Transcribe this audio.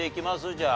じゃあ。